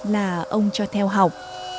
là ông cho theo học